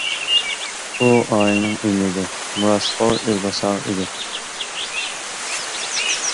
ئۇ ئائىلىنىڭ ئۈمىدى، مىراسخور، ئىزباسارى ئىدى.